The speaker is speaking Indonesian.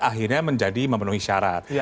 akhirnya menjadi memenuhi syarat